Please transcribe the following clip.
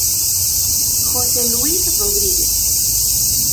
José Luís Rodríguez.